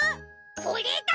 これだ！